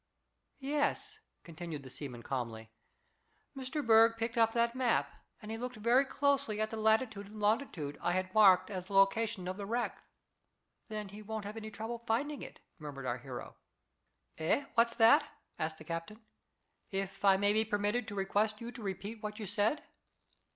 "Yes," continued the seaman calmly, "Mr. Berg picked up that map, and he looked very closely at the latitude and longitude I had marked as the location of the wreck." "Then he won't have any trouble finding it," murmured our hero. "Eh? What's that?" asked the captain, "if I may be permitted to request you to repeat what you said."